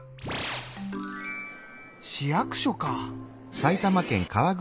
市役所か。